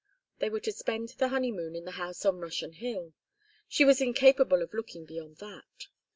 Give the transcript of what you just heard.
They were to spend the honeymoon in the house on Russian Hill. She was incapable of looking beyond that.